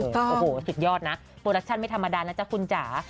ถูกต้องโอ้โหสิบยอดนะโปรดักชันไม่ธรรมดานนะจ๊ะคุณจ๋า